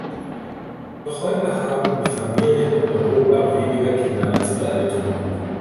Doch heute haben die Familien in Europa weniger Kinder als ihre Eltern.